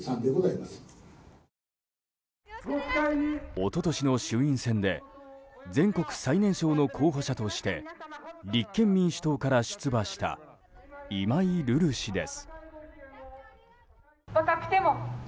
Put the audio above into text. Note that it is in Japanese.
一昨年の衆院選で全国最年少の候補者として立憲民主党から出馬した今井瑠々氏です。